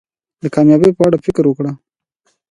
د کامیابی په اړه فکر وکړی.